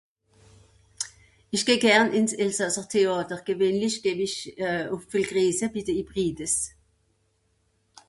isch geh gern ìns elsàsser théàter gewähnlich geh v'ìsch ùff pfulgriese bi de (hybrides)